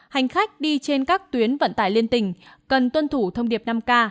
hành khách đi trên các tuyến vận tài liên tình cần tuân thủ thông điệp năm k